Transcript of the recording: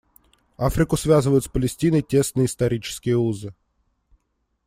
Африку связывают с Палестиной тесные исторические узы.